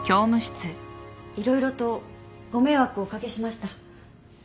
色々とご迷惑をお掛けしました。